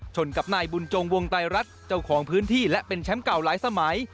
กับนายบุญจงวงไตรรัฐเจ้าของพื้นที่และเป็นแชมป์เก่าหลายสมัย